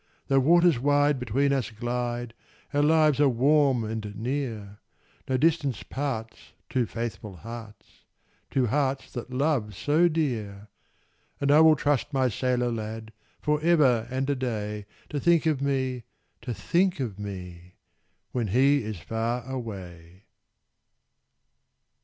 "Though waters wide between us glide, Our lives are warm and near: No distance parts two faithful hearts Two hearts that love so dear: And I will trust my sailor lad, For ever and a day, To think of me to think of me When he is far away!"